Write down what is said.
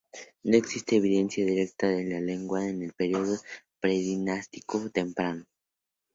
No existe evidencia directa de la lengua en el periodo predinástico temprano.